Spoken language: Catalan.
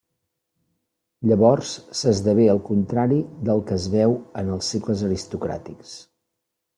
Llavors s'esdevé el contrari del que es veu en els segles aristocràtics.